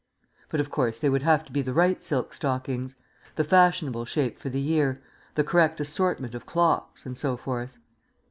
But, of course, they would have to be the right silk stockings the fashionable shape for the year, the correct assortment of clocks, and so forth.